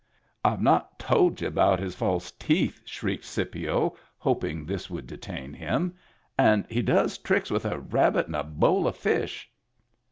" I've not told y'u about his false teeth !" shrieked Scipio, hoping this would detain him. " And he does tricks with a rabbit and a bowl of fish."